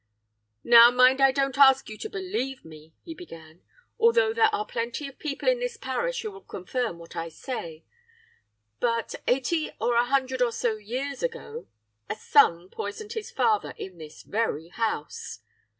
"'Now, mind I don't ask you to believe me!' he began, 'although there are plenty of people in this parish who will confirm what I say; but eighty, or a hundred or so years ago, a son poisoned his father in this very house.